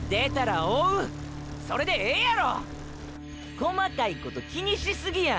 細かいこと気にしすぎや。